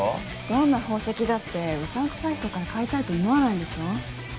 どんな宝石だってうさんくさい人から買いたいと思わないでしょ？